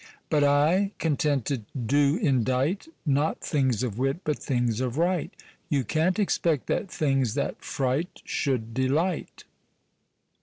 But I, contented, do indite, Not things of wit, but things of right; You can't expect that things that fright Should delight.